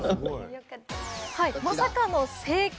まさかの正解。